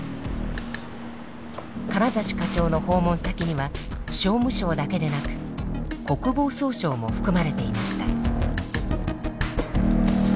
金指課長の訪問先には商務省だけでなく国防総省も含まれていました。